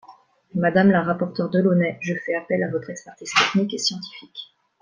Madame la rapporteure Delaunay, je fais appel à votre expertise technique et scientifique.